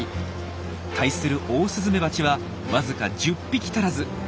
対するオオスズメバチはわずか１０匹足らず。